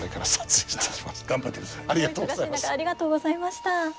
お忙しい中ありがとうございました。